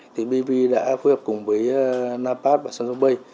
thì bv đã phối hợp cùng với napat và samsung pay